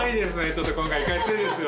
ちょっと今回いかついですよ